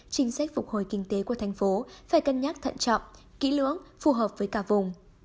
chính sách phục hồi kinh tế của thành phố phải cân nhắc thận trọng kỹ lưỡng phù hợp với cả vùng